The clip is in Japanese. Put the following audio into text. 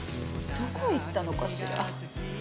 どこ行ったのかしら？